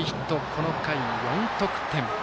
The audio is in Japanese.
この回、４得点。